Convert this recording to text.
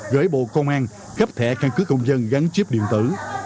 gửi bộ công an cấp thẻ căn cứ công dân gắn chip điện tử